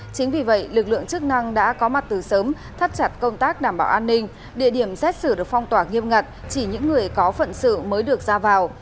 chính vì vậy lực lượng chức năng đã có mặt từ sớm thắt chặt công tác đảm bảo an ninh địa điểm xét xử được phong tỏa nghiêm ngặt chỉ những người có phận sự mới được ra vào